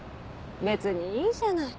別にいいじゃない。